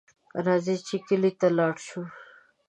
راځئ چې کلي ته لاړ شو